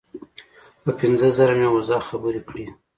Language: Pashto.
په پنځه زره مې وزه خبرې کړې.